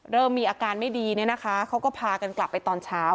เริ่มมีอาการไม่ดีเนี่ยนะคะเขาก็พากันกลับไปตอนเช้า